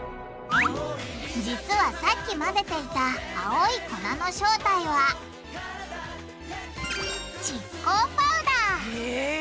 実はさっき混ぜていた青い粉の正体はへぇ。